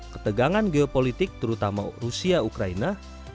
ketegangan geopolitik terutama rusia ukraina